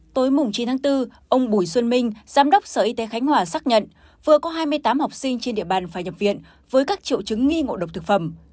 tối chín tháng bốn ông bùi xuân minh giám đốc sở y tế khánh hòa xác nhận vừa có hai mươi tám học sinh trên địa bàn phải nhập viện với các triệu chứng nghi ngộ độc thực phẩm